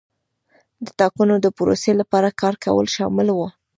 د ټاکنو د پروسې لپاره کار کول شامل وو.